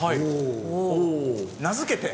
名付けて。